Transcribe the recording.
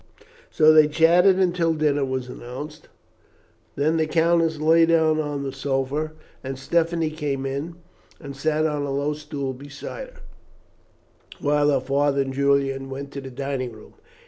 So they chatted until dinner was announced; then the countess lay down on the sofa, and Stephanie came in and sat on a low stool beside her, while her father and Julian went to the dining room.